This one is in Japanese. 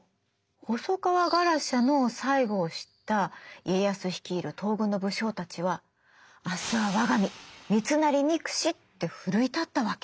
細川ガラシャの最期を知った家康率いる東軍の武将たちは「明日は我が身三成憎し」って奮い立ったわけ。